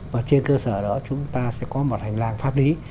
và trên cơ sở đó chúng ta sẽ có một hành lang pháp lý